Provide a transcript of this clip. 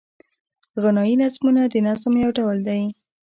غنايي نظمونه د نظم یو ډول دﺉ.